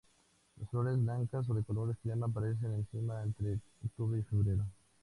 Las flores blancas o de color crema aparecen en cimas entre octubre y febrero.